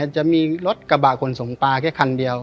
จะมีรถกระบะขนส่งปลาแค่คันเดียว